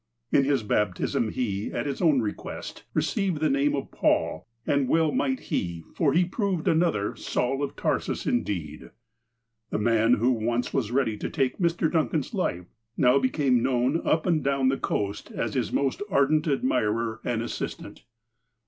In his baptism he, at his own request, received the name of "Paul," and well might he, for he proved another "Saul of Tarsus," indeed. The man who once was ready to take Mr. Duncan's life, now became known, up and down the coast, as his most ardent adniii; pr and assistant.